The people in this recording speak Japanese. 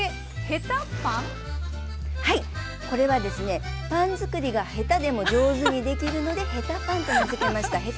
はいこれはですねパン作りがへたでも上手にできるので「へたパン」と名付けました。